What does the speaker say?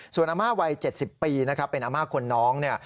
ส่วนอาม่าวัย๗๐ปีนะครับเป็นอาม่าคนน้องเนี่ย